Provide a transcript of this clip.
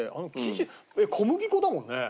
小麦粉だもんね。